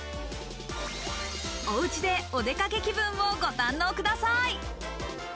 おうちでお出かけ気分をご堪能ください。